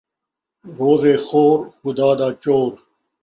روزے خور ، خدا دا چور